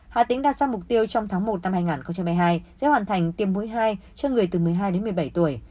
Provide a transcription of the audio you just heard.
hà tĩnh đạt ra mục tiêu trong tháng một năm hai nghìn hai mươi hai sẽ hoàn thành tiêm mũi hai cho người từ một mươi hai đến một mươi bảy tuổi